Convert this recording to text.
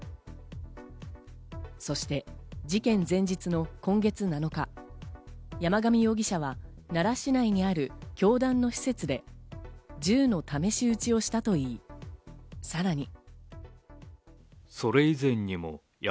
そして、事件前日の今月７日、山上容疑者は奈良市内にある教団の施設で銃の試し撃ちをしたといい、さらに。